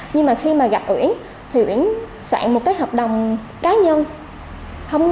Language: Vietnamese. nhưng mà khi mà gặp uyển thì uyển soạn một cái hợp đồng cá nhân